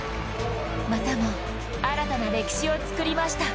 またも新たな歴史を作りました。